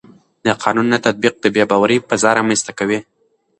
د قانون نه تطبیق د بې باورۍ فضا رامنځته کوي